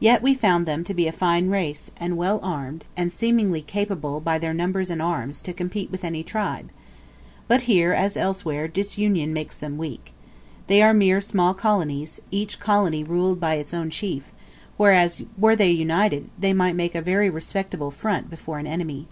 Yet we found them to be a fine race, and well armed, and seemingly capable, by their numbers and arms, to compete with any tribe. But here, as elsewhere, disunion makes them weak. They are mere small colonies, each colony ruled by its own chief; whereas, were they united, they might make a very respectable front before an enemy.